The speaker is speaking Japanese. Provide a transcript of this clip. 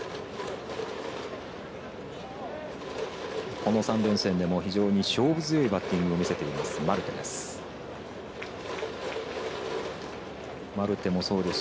この３連戦でも非常に勝負強さを見せているマルテです。